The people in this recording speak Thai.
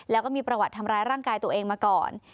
แล้วก็มีประวัติทำร้ายร่างกายตัวเองมาก่อน